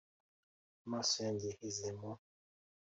Amaso yanjye yaheze mu